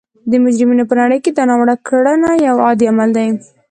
د مجرمینو په نړۍ کې دا ناوړه کړنه یو عادي عمل دی